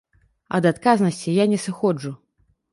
Ад адказнасці я не сыходжу.